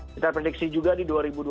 kita prediksi juga di dua ribu dua puluh